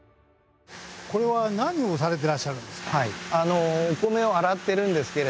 これは何をされてらっしゃるんですか？